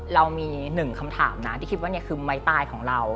เรามีหนึ่งคำถามนะที่คิดว่านี่คือไม้ตายของเรา